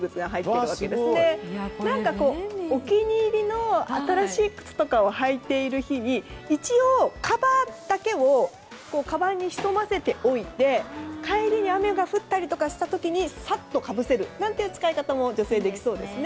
お気に入りの新しい靴を履いている日に一応、カバーだけをかばんに潜ませておいて帰りに雨が降ったりした時にさっとかぶせるという使い方も女性、できそうですね。